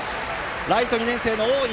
ライト、２年生の大井。